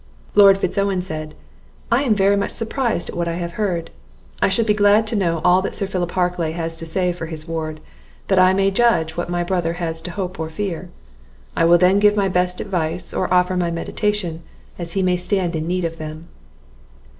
Lord Fitz Owen said "I am very much surprised at what I have heard. I should be glad to know all that Sir Philip Harclay has to say for his ward, that I may judge what my brother has to hope or fear; I will then give my best advice, or offer my mediation, as he may stand in need of them."